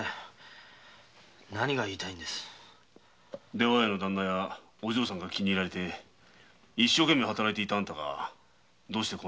出羽屋のダンナやお嬢さんに気に入られて一生懸命に働いていたあんたがなぜこんなに荒れているんだ？